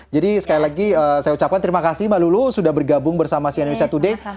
jadi sekali lagi saya ucapkan terima kasih mbak lulu sudah bergabung bersama si anamisa today